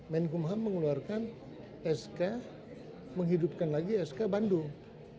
menkumham mengeluarkan sk menghidupkan lagi sk bandung